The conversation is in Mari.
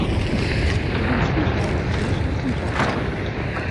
Тудын шийжат, чияш вургемжат уке.